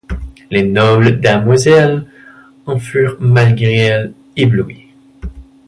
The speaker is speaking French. Les nobles damoiselles en furent malgré elles éblouies.